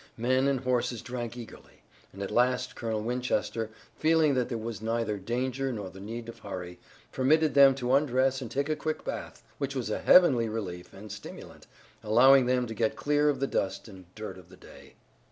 Men and horses drank eagerly, and at last Colonel Winchester, feeling that there was neither danger nor the need of hurry, permitted them to undress and take a quick bath, which was a heavenly relief and stimulant, allowing them to get clear of the dust and dirt of the day.